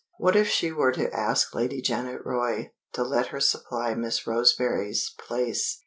What if she were to ask Lady Janet Roy to let her supply Miss Roseberry's place?